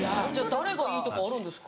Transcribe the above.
誰がいいとかあるんですか？